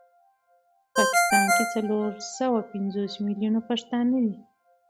په پاکستان کي څلور سوه پنځوس مليونه پښتانه دي